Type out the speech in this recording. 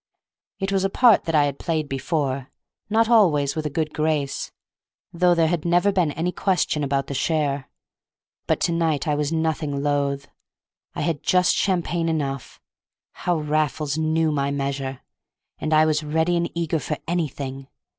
It was a part that I had played before, not always with a good grace, though there had never been any question about the share. But to night I was nothing loath. I had had just champagne enough—how Raffles knew my measure!—and I was ready and eager for anything.